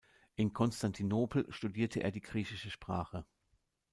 In Konstantinopel studierte er die griechische Sprache.